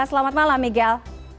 selamat malam miguel